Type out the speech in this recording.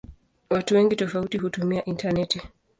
Watu wengi tofauti hutumia intaneti.